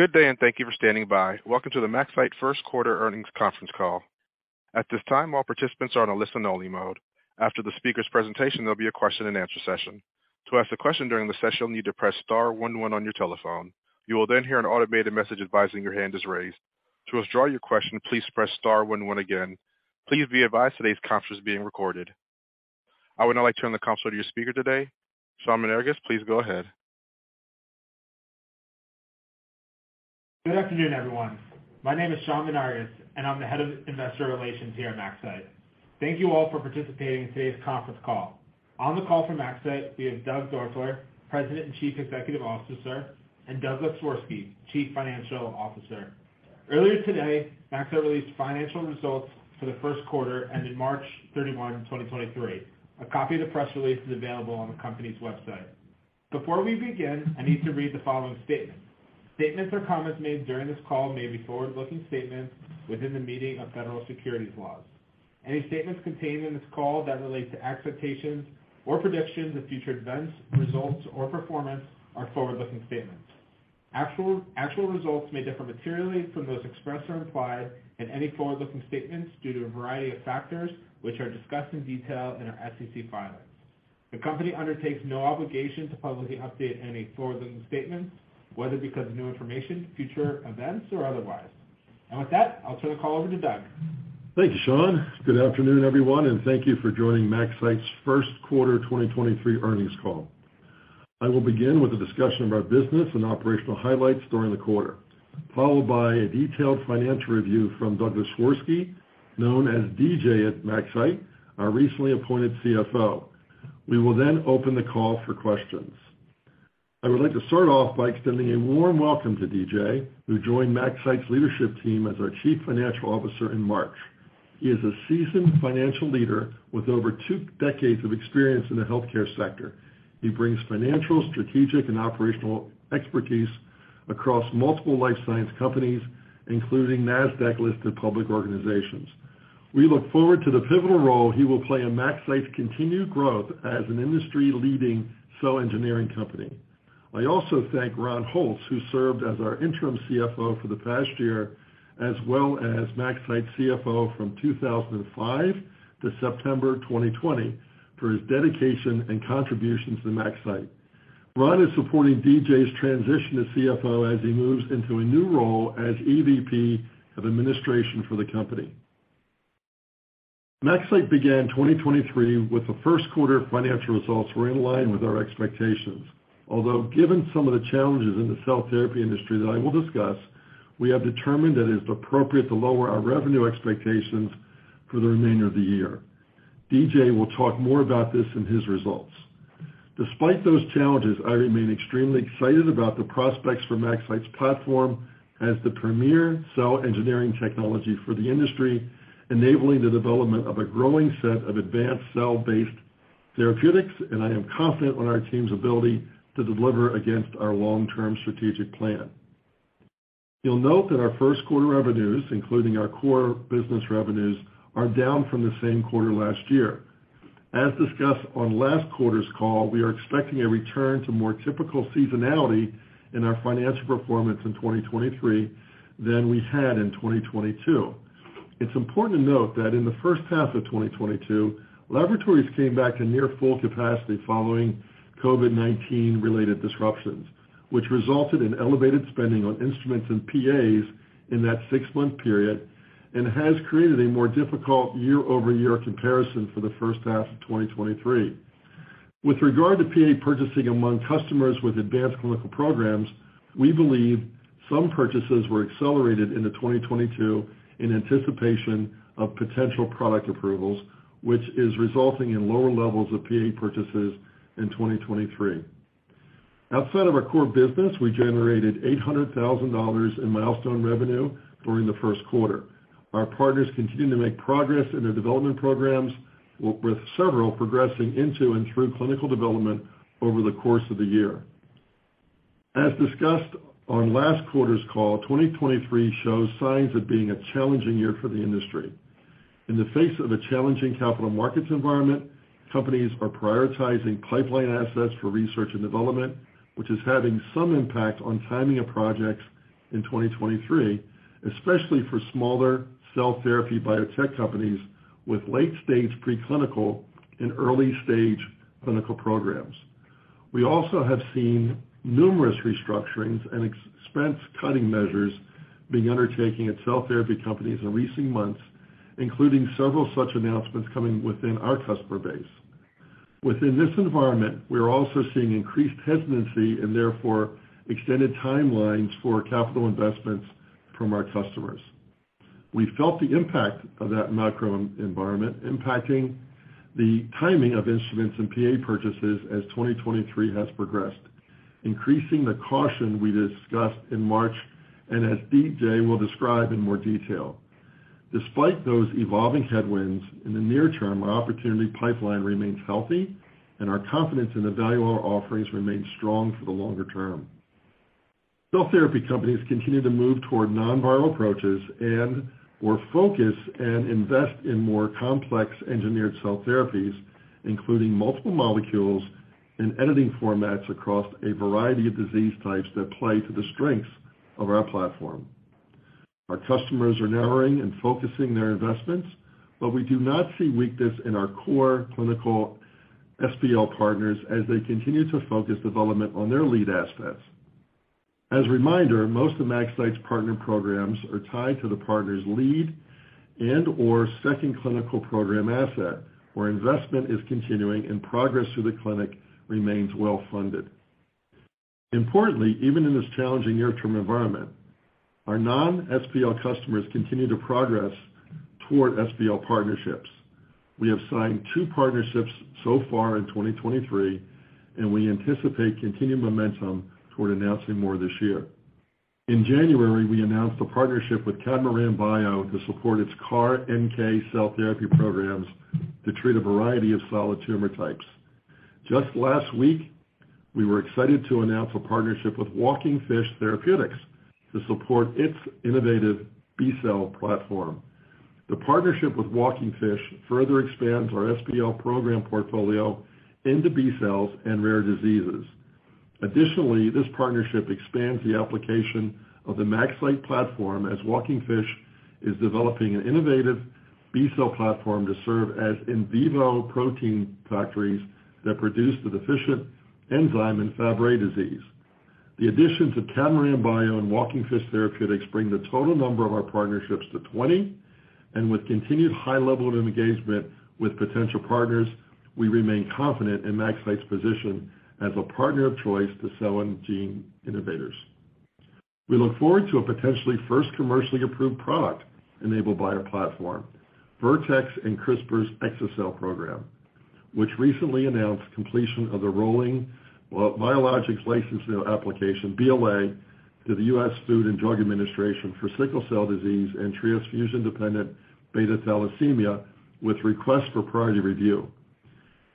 Good day. Thank you for standing by. Welcome to the MaxCyte first quarter earnings conference call. At this time, all participants are on a listen only mode. After the speaker's presentation, there'll be a question and answer session. To ask a question during the session, you'll need to press star one one on your telephone. You will hear an automated message advising your hand is raised. To withdraw your question, please press star one one again. Please be advised today's conference is being recorded. I would now like to turn the conference to your speaker today. Sean Menarguez, please go ahead. Good afternoon, everyone. My name is Sean Menarguez, and I'm the Head of Investor Relations here at MaxCyte. Thank you all for participating in today's conference call. On the call from MaxCyte, we have Doug Doerfler, President and Chief Executive Officer, and Douglas Swirsky, Chief Financial Officer. Earlier today, MaxCyte released financial results for the first quarter ending March 31, 2023. A copy of the press release is available on the company's website. Before we begin, I need to read the following statement. Statements or comments made during this call may be forward-looking statements within the meaning of federal securities laws. Any statements contained in this call that relate to expectations or predictions of future events, results, or performance are forward-looking statements. Actual results may differ materially from those expressed or implied in any forward-looking statements due to a variety of factors, which are discussed in detail in our SEC filings. The company undertakes no obligation to publicly update any forward-looking statements, whether because of new information, future events, or otherwise. With that, I'll turn the call over to Doug. Thank you, Sean. Good afternoon, everyone, and thank you for joining MaxCyte's first quarter 2023 earnings call. I will begin with a discussion of our business and operational highlights during the quarter, followed by a detailed financial review from Douglas Swirsky, known as DJ at MaxCyte, our recently appointed CFO. We will then open the call for questions. I would like to start off by extending a warm welcome to DJ, who joined MaxCyte's leadership team as our Chief Financial Officer in March. He is a seasoned financial leader with over two decades of experience in the healthcare sector. He brings financial, strategic, and operational expertise across multiple life science companies, including Nasdaq-listed public organizations. We look forward to the pivotal role he will play in MaxCyte's continued growth as an industry-leading cell engineering company. I also thank Ron Holtz, who served as our interim CFO for the past year, as well as MaxCyte CFO from 2005 to September 2020, for his dedication and contributions to MaxCyte. Ron is supporting DJ's transition to CFO as he moves into a new role as EVP of administration for the company. MaxCyte began 2023 with the first quarter financial results were in line with our expectations. Given some of the challenges in the cell therapy industry that I will discuss, we have determined that it is appropriate to lower our revenue expectations for the remainder of the year. DJ will talk more about this in his results. Despite those challenges, I remain extremely excited about the prospects for MaxCyte's platform as the premier cell engineering technology for the industry, enabling the development of a growing set of advanced cell-based therapeutics. I am confident on our team's ability to deliver against our long-term strategic plan. You'll note that our first quarter revenues, including our core business revenues, are down from the same quarter last year. As discussed on last quarter's call, we are expecting a return to more typical seasonality in our financial performance in 2023 than we had in 2022. It's important to note that in the first half of 2022, laboratories came back to near full capacity following COVID-19 related disruptions, which resulted in elevated spending on instruments and PAs in that six-month period and has created a more difficult year-over-year comparison for the first half of 2023. With regard to PA purchasing among customers with advanced clinical programs, we believe some purchases were accelerated into 2022 in anticipation of potential product approvals, which is resulting in lower levels of PA purchases in 2023. Outside of our core business, we generated $800,000 in milestone revenue during the first quarter. Our partners continue to make progress in their development programs, with several progressing into and through clinical development over the course of the year. As discussed on last quarter's call, 2023 shows signs of being a challenging year for the industry. In the face of a challenging capital markets environment, companies are prioritizing pipeline assets for research and development, which is having some impact on timing of projects in 2023, especially for smaller cell therapy biotech companies with late-stage preclinical and early-stage clinical programs. We also have seen numerous restructurings and ex-expense cutting measures being undertaking at cell therapy companies in recent months, including several such announcements coming within our customer base. Within this environment, we are also seeing increased hesitancy and therefore extended timelines for capital investments from our customers. We felt the impact of that macro environment impacting the timing of instruments and PA purchases as 2023 has progressed, increasing the caution we discussed in March and as DJ will describe in more detail. Despite those evolving headwinds, in the near term, our opportunity pipeline remains healthy and our confidence in the value our offerings remain strong for the longer term. Cell therapy companies continue to move toward non-viral approaches and/or focus and invest in more complex engineered cell therapies, including multiple molecules-In editing formats across a variety of disease types that play to the strengths of our platform. Our customers are narrowing and focusing their investments, but we do not see weakness in our core clinical SPL partners as they continue to focus development on their lead assets. As a reminder, most of MaxCyte's partner programs are tied to the partner's lead and/or second clinical program asset, where investment is continuing and progress through the clinic remains well-funded. Importantly, even in this challenging near-term environment, our non-SPL customers continue to progress toward SPL partnerships. We have signed 2 partnerships so far in 2023, and we anticipate continued momentum toward announcing more this year. In January, we announced a partnership with Catamaran Bio to support its CAR NK cell therapy programs to treat a variety of solid tumor types. Just last week, we were excited to announce a partnership with Walking Fish Therapeutics to support its innovative B-cell platform. The partnership with Walking Fish further expands our SPL program portfolio into B cells and rare diseases. Additionally, this partnership expands the application of the MaxCyte platform as Walking Fish is developing an innovative B-cell platform to serve as in vivo protein factories that produce the deficient enzyme in Fabry disease. The additions of Catamaran Bio and Walking Fish Therapeutics bring the total number of our partnerships to 20. With continued high level of engagement with potential partners, we remain confident in MaxCyte's position as a partner of choice to cell and gene innovators. We look forward to a potentially first commercially approved product enabled by our platform, Vertex and CRISPR's exa-cel program, which recently announced completion of the rolling Biologics License Application, BLA, to the US Food and Drug Administration for sickle cell disease and transfusion-dependent beta thalassemia with request for priority review.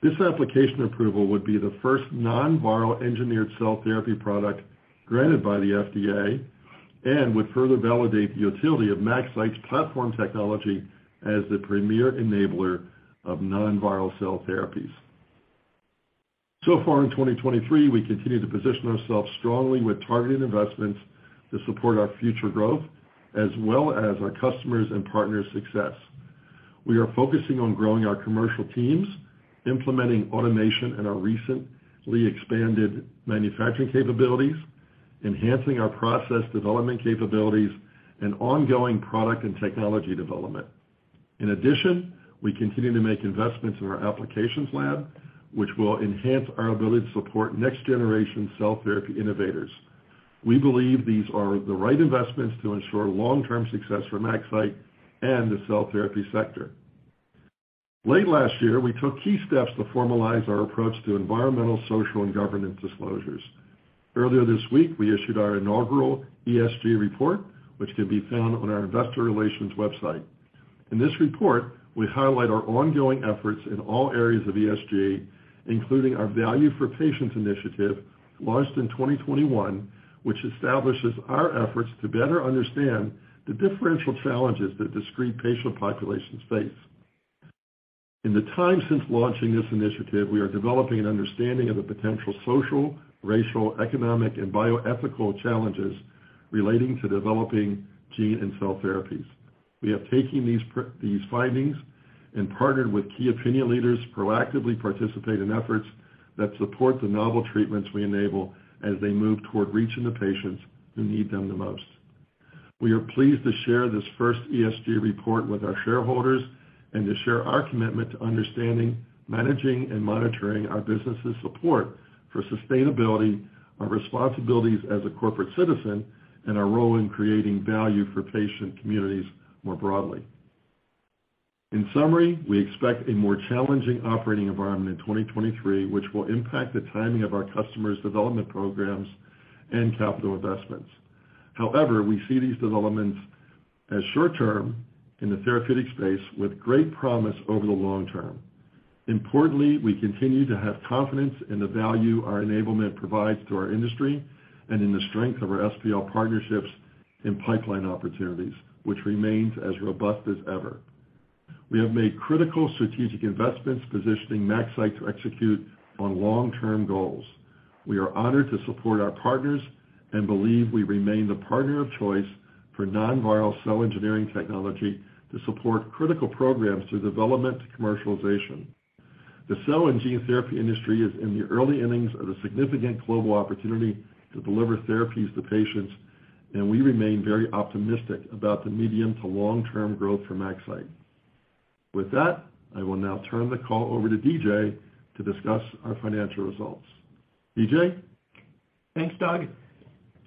This application approval would be the first non-viral engineered cell therapy product granted by the FDA and would further validate the utility of MaxCyte's platform technology as the premier enabler of non-viral cell therapies. So far in 2023, we continue to position ourselves strongly with targeted investments to support our future growth as well as our customers' and partners' success. We are focusing on growing our commercial teams, implementing automation in our recently expanded manufacturing capabilities, enhancing our process development capabilities, and ongoing product and technology development. In addition, we continue to make investments in our applications lab, which will enhance our ability to support next-generation cell therapy innovators. We believe these are the right investments to ensure long-term success for MaxCyte and the cell therapy sector. Late last year, we took key steps to formalize our approach to environmental, social, and governance disclosures. Earlier this week, we issued our inaugural ESG report, which can be found on our investor relations website. In this report, we highlight our ongoing efforts in all areas of ESG, including our Value for Patients initiative launched in 2021, which establishes our efforts to better understand the differential challenges that discrete patient populations face. In the time since launching this initiative, we are developing an understanding of the potential social, racial, economic, and bioethical challenges relating to developing gene and cell therapies. We are taking these findings and partnered with key opinion leaders to proactively participate in efforts that support the novel treatments we enable as they move toward reaching the patients who need them the most. We are pleased to share this first ESG report with our shareholders and to share our commitment to understanding, managing, and monitoring our business' support for sustainability, our responsibilities as a corporate citizen, and our role in creating value for patient communities more broadly. In summary, we expect a more challenging operating environment in 2023, which will impact the timing of our customers' development programs and capital investments. However, we see these developments as short-term in the therapeutic space with great promise over the long term. Importantly, we continue to have confidence in the value our enablement provides to our industry and in the strength of our SPL partnerships and pipeline opportunities, which remains as robust as ever. We have made critical strategic investments positioning MaxCyte to execute on long-term goals. We are honored to support our partners and believe we remain the partner of choice for non-viral cell engineering technology to support critical programs through development to commercialization. The cell and gene therapy industry is in the early innings of a significant global opportunity to deliver therapies to patients, and we remain very optimistic about the medium to long-term growth for MaxCyte. With that, I will now turn the call over to DJ to discuss our financial results. DJ? Thanks, Doug.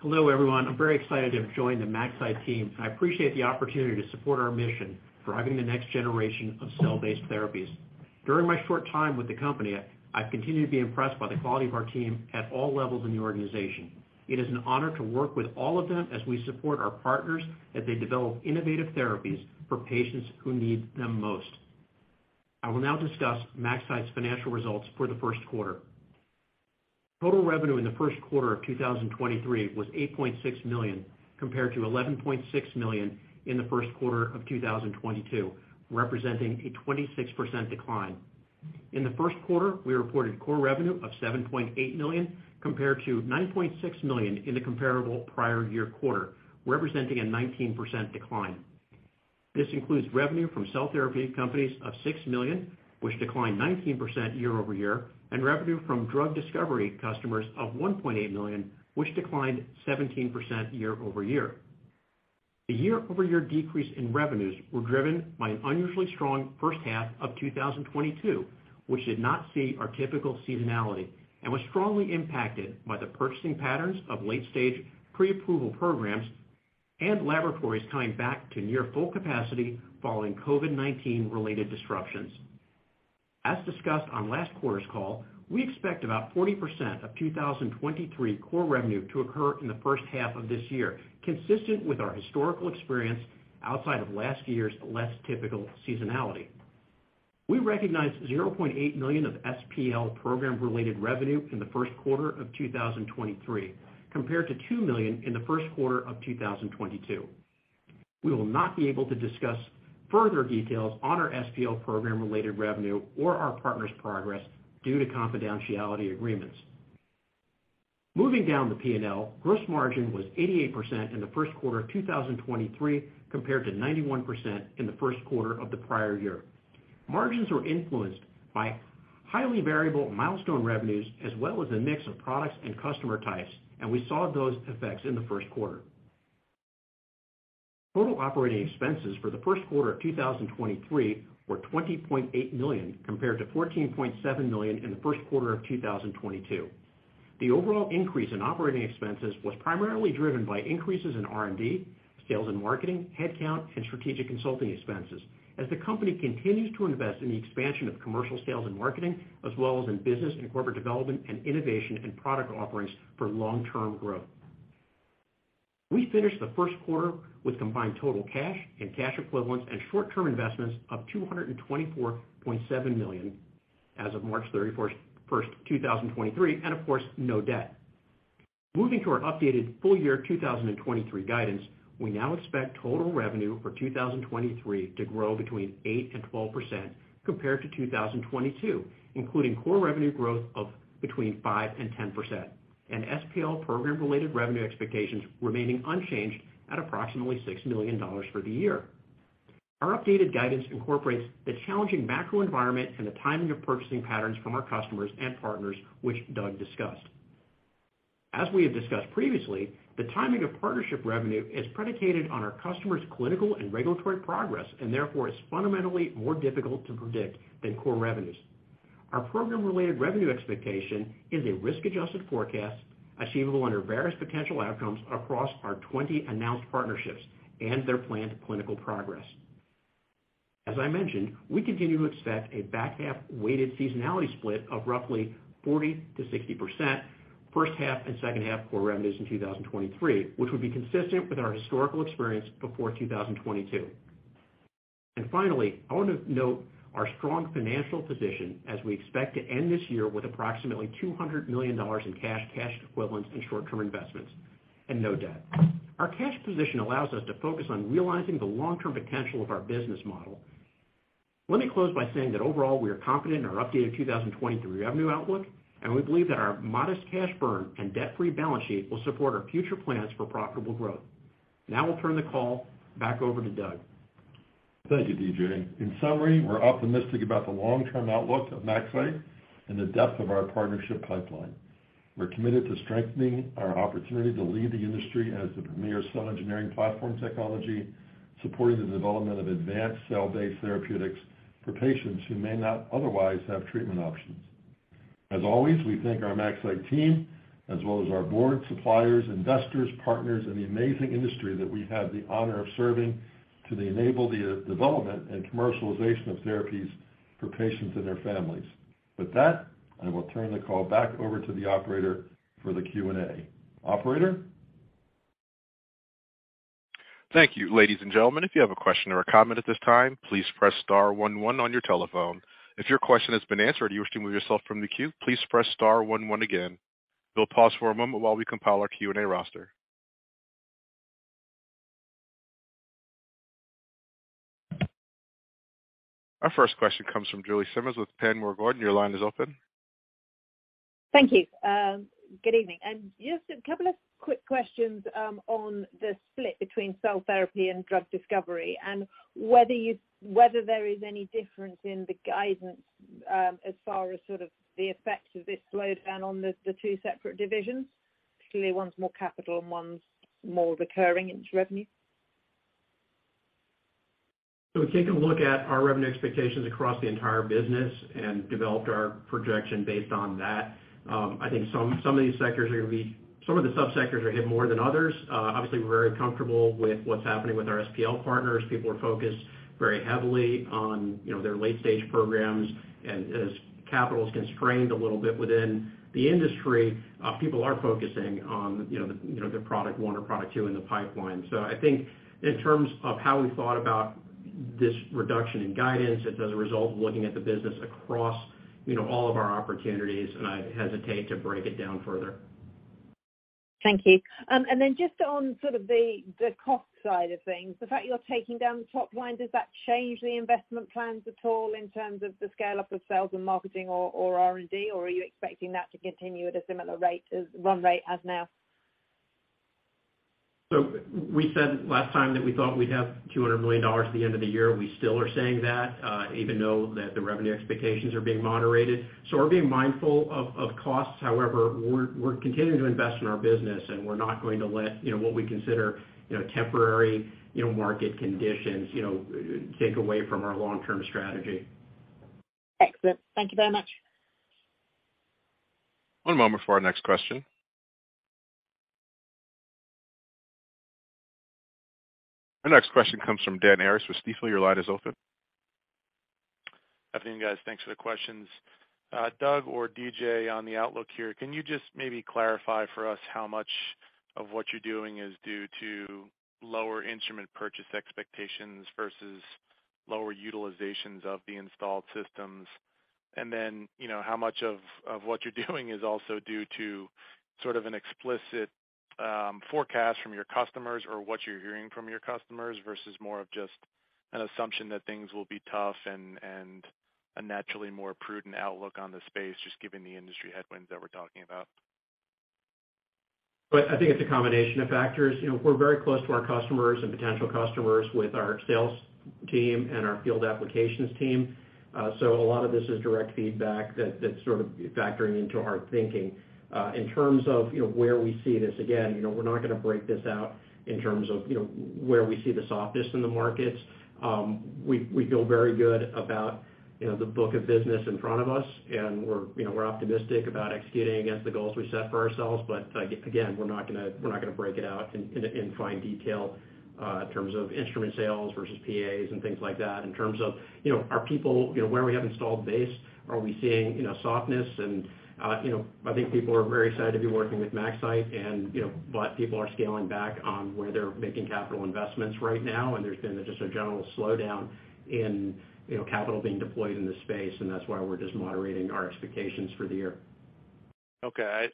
Hello, everyone. I'm very excited to have joined the MaxCyte team. I appreciate the opportunity to support our mission, driving the next generation of cell-based therapies. During my short time with the company, I've continued to be impressed by the quality of our team at all levels in the organization. It is an honor to work with all of them as we support our partners as they develop innovative therapies for patients who need them most. I will now discuss MaxCyte's financial results for the first quarter. Total revenue in the first quarter of 2023 was $8.6 million compared to $11.6 million in the first quarter of 2022, representing a 26% decline. In the first quarter, we reported core revenue of $7.8 million compared to $9.6 million in the comparable prior year quarter, representing a 19% decline. This includes revenue from cell therapeutic companies of $6 million, which declined 19% year-over-year, and revenue from drug discovery customers of $1.8 million, which declined 17% year-over-year. The year-over-year decrease in revenues were driven by an unusually strong first half of 2022, which did not see our typical seasonality and was strongly impacted by the purchasing patterns of late-stage pre-approval programs and laboratories coming back to near full capacity following COVID-19 related disruptions. As discussed on last quarter's call, we expect about 40% of 2023 core revenue to occur in the first half of this year, consistent with our historical experience outside of last year's less typical seasonality. We recognized $0.8 million of SPL program-related revenue in the first quarter of 2023 compared to $2 million in the first quarter of 2022. We will not be able to discuss further details on our SPL program-related revenue or our partner's progress due to confidentiality agreements. Moving down the P&L, gross margin was 88% in the first quarter of 2023 compared to 91% in the first quarter of the prior year. Margins were influenced by highly variable milestone revenues as well as a mix of products and customer types, and we saw those effects in the first quarter. Total operating expenses for the first quarter of 2023 were $20.8 million compared to $14.7 million in the first quarter of 2022. The overall increase in operating expenses was primarily driven by increases in R&D, sales and marketing, headcount, and strategic consulting expenses as the company continues to invest in the expansion of commercial sales and marketing, as well as in business and corporate development and innovation and product offerings for long-term growth. We finished the first quarter with combined total cash and cash equivalents and short-term investments of $224.7 million as of March 31st, 2023, and of course, no debt. Moving to our updated full year 2023 guidance, we now expect total revenue for 2023 to grow between 8%-12% compared to 2022, including core revenue growth of between 5%-10% and SPL program-related revenue expectations remaining unchanged at approximately $6 million for the year. Our updated guidance incorporates the challenging macro environment and the timing of purchasing patterns from our customers and partners, which Doug discussed. As we have discussed previously, the timing of partnership revenue is predicated on our customers' clinical and regulatory progress and therefore is fundamentally more difficult to predict than core revenues. Our program-related revenue expectation is a risk-adjusted forecast achievable under various potential outcomes across our 20 announced partnerships and their planned clinical progress. As I mentioned, we continue to expect a back-half weighted seasonality split of roughly 40%-60% first half and second half core revenues in 2023, which would be consistent with our historical experience before 2022. Finally, I want to note our strong financial position as we expect to end this year with approximately $200 million in cash equivalents, and short-term investments and no debt. Our cash position allows us to focus on realizing the long-term potential of our business model. Let me close by saying that overall, we are confident in our updated 2023 revenue outlook, and we believe that our modest cash burn and debt-free balance sheet will support our future plans for profitable growth. Now I'll turn the call back over to Doug. Thank you, DJ. In summary, we're optimistic about the long-term outlook of MaxCyte and the depth of our partnership pipeline. We're committed to strengthening our opportunity to lead the industry as the premier cell engineering platform technology, supporting the development of advanced cell-based therapeutics for patients who may not otherwise have treatment options. As always, we thank our MaxCyte team as well as our board, suppliers, investors, partners in the amazing industry that we have the honor of serving to enable the development and commercialization of therapies for patients and their families. With that, I will turn the call back over to the operator for the Q&A. Operator? Thank you. Ladies and gentlemen, if you have a question or a comment at this time, please press star one one on your telephone. If your question has been answered and you wish to remove yourself from the queue, please press star one one again. We'll pause for a moment while we compile our Q&A roster. Our first question comes from Julie Simmonds with Panmure Gordon. Your line is open. Thank you. Good evening. Just a couple of quick questions on the split between cell therapy and drug discovery and whether there is any difference in the guidance as far as sort of the effect of this slowdown on the two separate divisions. Clearly, one's more capital and one's more recurring into revenue. We take a look at our revenue expectations across the entire business and developed our projection based on that. I think some of these sectors are hit more than others. Obviously, we're very comfortable with what's happening with our SPL partners. People are focused very heavily on, you know, their late-stage programs. As capital is constrained a little bit within the industry, people are focusing on, you know, their product 1 or product 2 in the pipeline. I think in terms of how we thought about This reduction in guidance is as a result of looking at the business across, you know, all of our opportunities, and I hesitate to break it down further. Thank you. Then just on sort of the cost side of things, the fact you're taking down the top line, does that change the investment plans at all in terms of the scale-up of sales and marketing or R&D? Or are you expecting that to continue at a similar run rate as now? We said last time that we thought we'd have $200 million at the end of the year. We still are saying that, even though that the revenue expectations are being moderated. We're being mindful of costs. However, we're continuing to invest in our business, and we're not going to let, you know, what we consider, you know, temporary, you know, market conditions, you know, take away from our long-term strategy. Excellent. Thank you very much. One moment for our next question. Our next question comes from Dan Arias with Stifel. Your line is open. Good afternoon, guys. Thanks for the questions. Doug or DJ, on the outlook here, can you just maybe clarify for us how much of what you're doing is due to lower instrument purchase expectations versus lower utilizations of the installed systems? Then, you know, how much of what you're doing is also due to sort of an explicit forecast from your customers or what you're hearing from your customers versus more of just an assumption that things will be tough and a naturally more prudent outlook on the space, just given the industry headwinds that we're talking about. I think it's a combination of factors. You know, we're very close to our customers and potential customers with our sales team and our field applications team. A lot of this is direct feedback that's factoring into our thinking. In terms of, you know, where we see this, again, you know, we're not gonna break this out in terms of, you know, where we see the softness in the markets. We feel very good about, you know, the book of business in front of us, and we're, you know, we're optimistic about executing against the goals we set for ourselves. Again, we're not gonna break it out in fine detail, in terms of instrument sales versus PAs and things like that. In terms of, you know, you know, where we have installed base, are we seeing, you know, softness? You know, I think people are very excited to be working with MaxCyte and, you know, but people are scaling back on where they're making capital investments right now, and there's been just a general slowdown in, you know, capital being deployed in this space, and that's why we're just moderating our expectations for the year. Okay.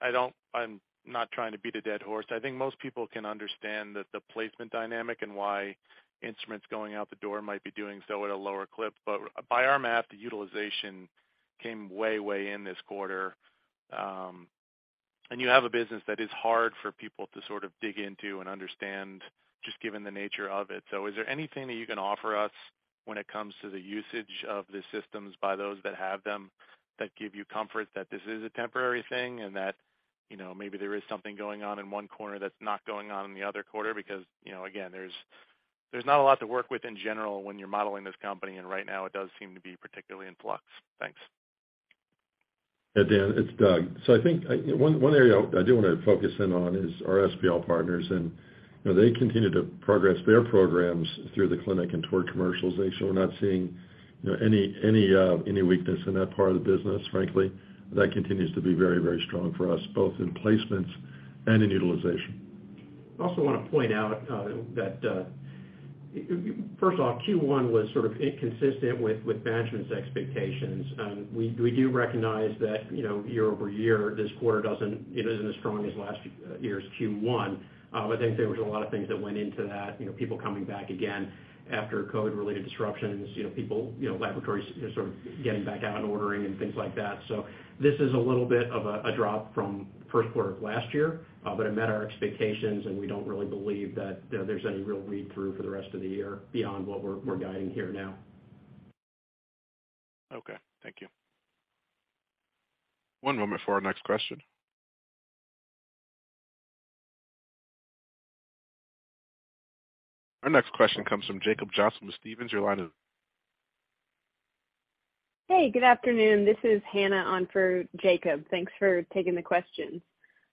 I'm not trying to beat a dead horse. I think most people can understand the placement dynamic and why instruments going out the door might be doing so at a lower clip. By our math, the utilization came way in this quarter. You have a business that is hard for people to sort of dig into and understand just given the nature of it. Is there anything that you can offer us when it comes to the usage of the systems by those that have them that give you comfort that this is a temporary thing and that, you know, maybe there is something going on in one corner that's not going on in the other corner? You know, again, there's not a lot to work with in general when you're modeling this company, and right now it does seem to be particularly in flux. Thanks. Hey, Dan, it's Doug. I think one area I do wanna focus in on is our SPL partners. You know, they continue to progress their programs through the clinic and toward commercialization. We're not seeing, you know, any weakness in that part of the business, frankly. That continues to be very, very strong for us, both in placements and in utilization. Also wanna point out that, first of all, Q1 was sort of inconsistent with management's expectations. We do recognize that, you know, year-over-year, this quarter it isn't as strong as last year's Q1. I think there was a lot of things that went into that. You know, people coming back again after COVID-related disruptions. You know, people, you know, laboratories are sort of getting back out and ordering and things like that. This is a little bit of a drop from first quarter of last year, but it met our expectations. We don't really believe that there's any real read-through for the rest of the year beyond what we're guiding here now. Okay, thank you. One moment for our next question. Our next question comes from Jacob Johnson with Stephens. Your line is... Hey, good afternoon. This is Hannah on for Jacob. Thanks for taking the questions.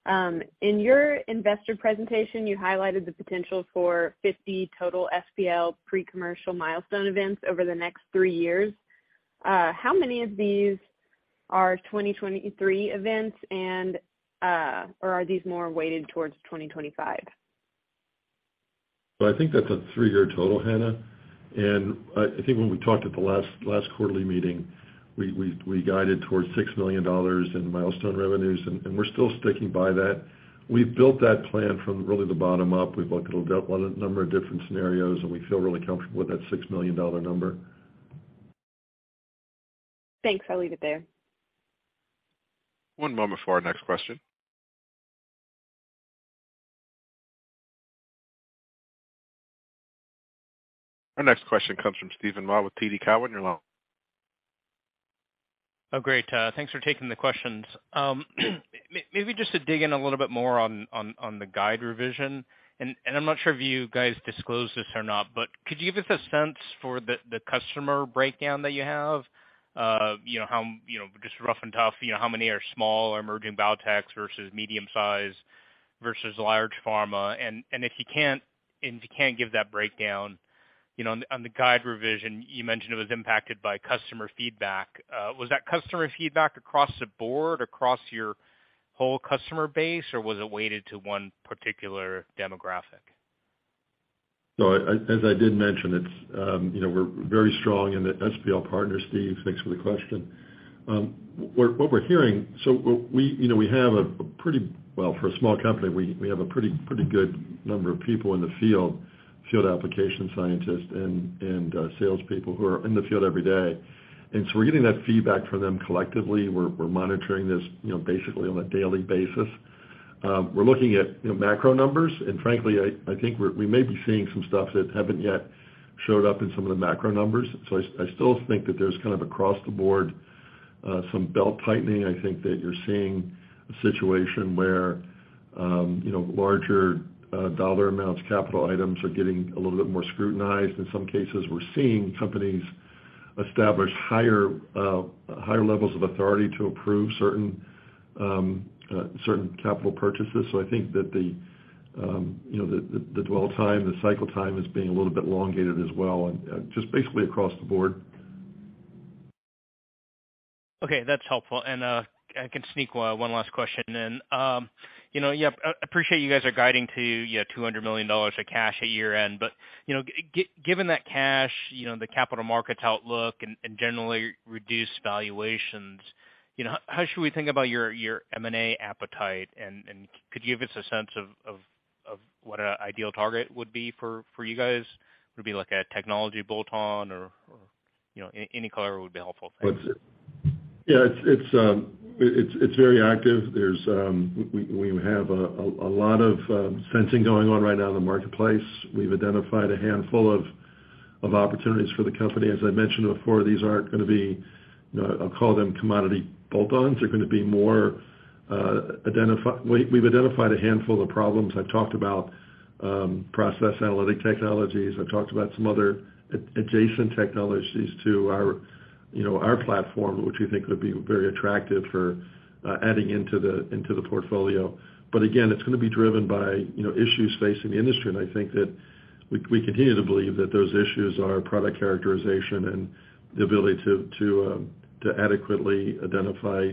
In your investor presentation, you highlighted the potential for 50 total SPL pre-commercial milestone events over the next 3 years. How many of these are 2023 events and, or are these more weighted towards 2025? I think that's a three year total, Hannah. I think when we talked at the last quarterly meeting, we guided towards $6 million in milestone revenues, and we're still sticking by that. We've built that plan from really the bottom up. We've looked at a number of different scenarios, and we feel really comfortable with that $6 million number. Thanks. I'll leave it there. One moment for our next question. Our next question comes from Steven Mah with TD Cowen. You're on. Oh, great. Thanks for taking the questions. maybe just to dig in a little bit more on the guide revision, I'm not sure if you guys disclosed this or not, but could you give us a sense for the customer breakdown that you have? you know, how, you know, just rough and tough, you know, how many are small or emerging biotech versus medium-sized versus large pharma? if you can't, if you can't give that breakdown, you know, on the guide revision, you mentioned it was impacted by customer feedback. Was that customer feedback across the board, across your? Whole customer base or was it weighted to one particular demographic? No. As I did mention, it's, you know, we're very strong in the SPL partners, Steven. Thanks for the question. What we're hearing We, you know, we have a pretty Well, for a small company, we have a pretty good number of people in the field application scientists and salespeople who are in the field every day. We're getting that feedback from them collectively. We're monitoring this, you know, basically on a daily basis. We're looking at, you know, macro numbers, and frankly, I think we may be seeing some stuff that haven't yet showed up in some of the macro numbers. I still think that there's kind of across the board, some belt-tightening. I think that you're seeing a situation where, you know, larger dollar amounts, capital items are getting a little bit more scrutinized. In some cases, we're seeing companies establish higher levels of authority to approve certain capital purchases. I think that the, you know, the dwell time, the cycle time is being a little bit elongated as well and just basically across the board. Okay, that's helpful. I can sneak one last question in. You know, yeah, appreciate you guys are guiding to, you know, $200 million of cash at year-end. You know, given that cash, you know, the capital markets outlook and, generally reduced valuations, you know, how should we think about your M&A appetite? Could you give us a sense of what an ideal target would be for you guys? Would it be like a technology bolt-on or, you know, any color would be helpful. Thanks. Yeah, it's very active. There's we have a lot of sensing going on right now in the marketplace. We've identified a handful of opportunities for the company. As I mentioned before, these aren't gonna be, you know, I'll call them commodity bolt-ons. They're gonna be more, we've identified a handful of problems. I've talked about process analytical technology. I've talked about some other adjacent technologies to our, you know, our platform, which we think would be very attractive for adding into the portfolio. Again, it's gonna be driven by, you know, issues facing the industry. I think that we continue to believe that those issues are product characterization and the ability to adequately identify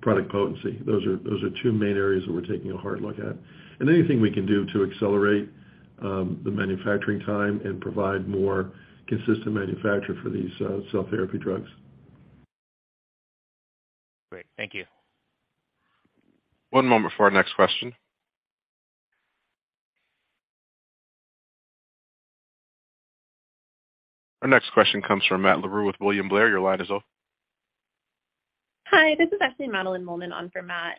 product potency. Those are two main areas that we're taking a hard look at. Anything we can do to accelerate the manufacturing time and provide more consistent manufacture for these cell therapy drugs. Great. Thank you. One moment for our next question. Our next question comes from Matt Larew with William Blair. Your line is open. Hi, this is actually Madeline Mullen on for Matt.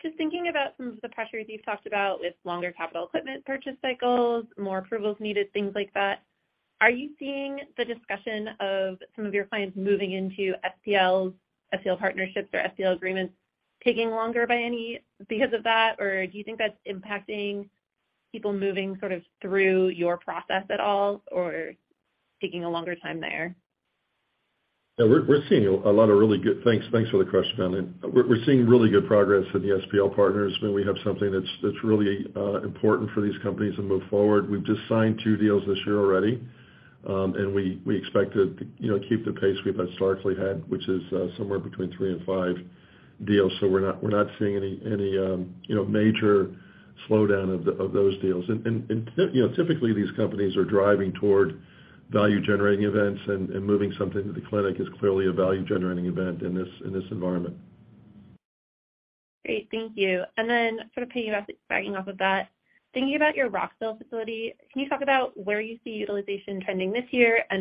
Just thinking about some of the pressures you've talked about with longer capital equipment purchase cycles, more approvals needed, things like that. Are you seeing the discussion of some of your clients moving into SPLs, SPL partnerships or SPL agreements taking longer by any because of that? Or do you think that's impacting people moving sort of through your process at all or taking a longer time there? Yeah. We're seeing a lot of really good. Thanks for the question, Madeline. We're seeing really good progress in the SPL partners, and we have something that's really important for these companies to move forward. We've just signed two deals this year already, and we expect to, you know, keep the pace we've historically had, which is somewhere between 3 and 5 deals. We're not seeing any, you know, major slowdown of those deals. Typically these companies are driving toward value-generating events, and moving something to the clinic is clearly a value-generating event in this environment. Great. Thank you. Sort of tagging off of that, thinking about your Rockville facility, can you talk about where you see utilization trending this year? I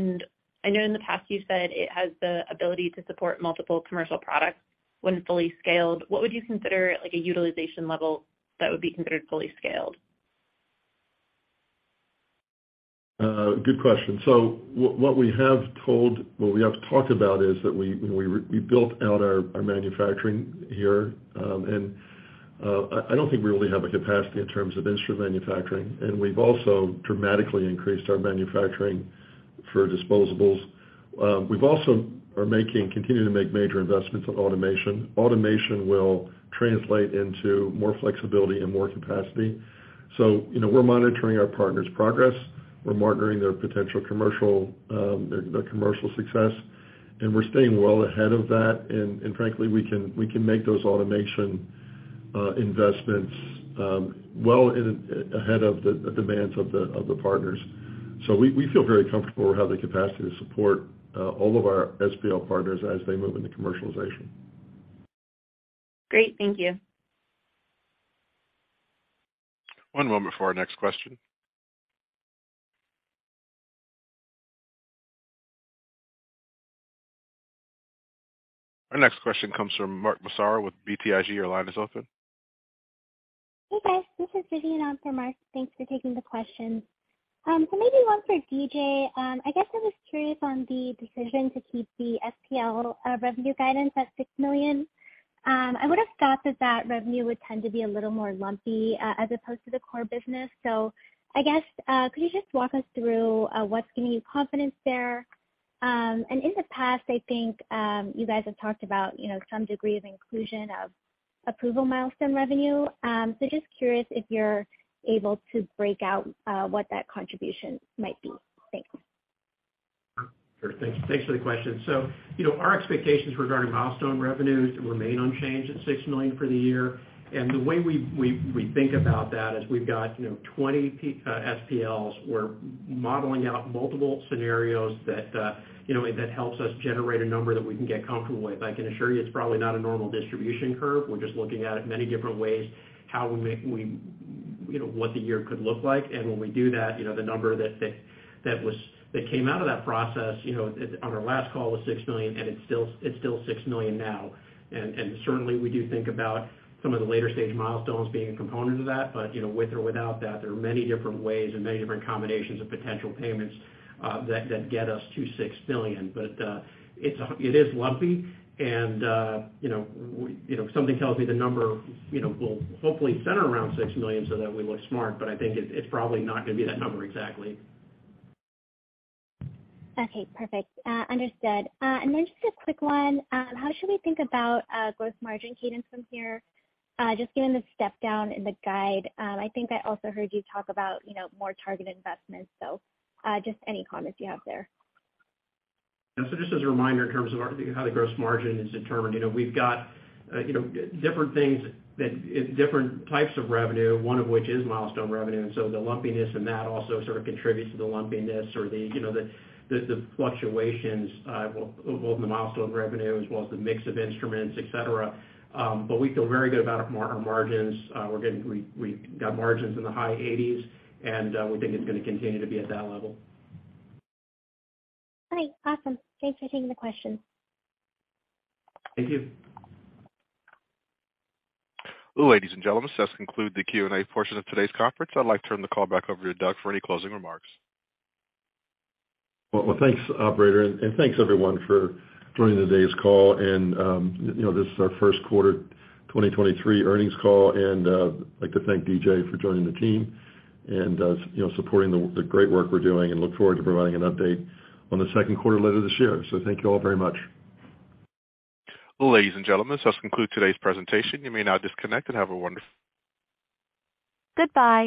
know in the past you said it has the ability to support multiple commercial products when fully scaled. What would you consider like a utilization level that would be considered fully scaled? Good question. What we have talked about is that we, you know, we built out our manufacturing here, and I don't think we really have a capacity in terms of instrument manufacturing, and we've also dramatically increased our manufacturing for disposables. We've also are continuing to make major investments on automation. Automation will translate into more flexibility and more capacity. We're monitoring our partners' progress. We're monitoring their potential commercial, their commercial success, and we're staying well ahead of that. Frankly, we can make those automation investments well ahead of the demands of the partners. We feel very comfortable we have the capacity to support all of our SPL partners as they move into commercialization. Great. Thank you. One moment for our next question. Our next question comes from Mark Massaro with BTIG. Your line is open. Hey, guys, this is Viviane on for Mark. Thanks for taking the question. Maybe one for DJ. I guess I was curious on the decision to keep the SPL revenue guidance at $6 million. I would've thought that that revenue would tend to be a little more lumpy as opposed to the core business. I guess, could you just walk us through what's giving you confidence there? And in the past, I think, you guys have talked about, you know, some degree of inclusion of approval milestone revenue. Just curious if you're able to break out what that contribution might be? Thanks. Sure. Thanks for the question. You know, our expectations regarding milestone revenues remain unchanged at $6 million for the year. The way we think about that is we've got, you know, 20 SPLs. We're modeling out multiple scenarios that, you know, that helps us generate a number that we can get comfortable with. I can assure you it's probably not a normal distribution curve. We're just looking at it many different ways, how we, you know, what the year could look like. When we do that, you know, the number that was, that came out of that process, you know, at, on our last call was $6 million, and it's still $6 million now. Certainly we do think about some of the later stage milestones being a component of that. You know, with or without that, there are many different ways and many different combinations of potential payments, that get us to $6 million. It is lumpy and, you know, we, you know, something tells me the number, you know, will hopefully center around $6 million so that we look smart, but I think it's probably not gonna be that number exactly. Okay. Perfect. Understood. Just a quick one. How should we think about gross margin cadence from here, just given the step down in the guide? I think I also heard you talk about, you know, more targeted investments, just any comments you have there? Yeah. Just as a reminder in terms of our, how the gross margin is determined, we've got different things that, different types of revenue, one of which is milestone revenue. The lumpiness in that also sort of contributes to the lumpiness or the fluctuations of the milestone revenue as well as the mix of instruments, et cetera. We feel very good about our margins. We're getting, we've got margins in the high 80s, and we think it's gonna continue to be at that level. All right. Awesome. Thanks for taking the question. Thank you. Ladies and gentlemen, this conclude the Q&A portion of today's conference. I'd like to turn the call back over to Doug for any closing remarks. Well, thanks operator. Thanks everyone for joining today's call. You know, this is our first quarter 2023 earnings call, and I'd like to thank DJ for joining the team and you know, supporting the great work we're doing and look forward to providing an update on the second quarter later this year. Thank you all very much. Ladies and gentlemen, this concludes today's presentation. You may now disconnect and have a wonderful- Goodbye